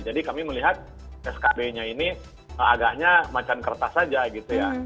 jadi kami melihat skb nya ini agaknya macam kertas saja gitu ya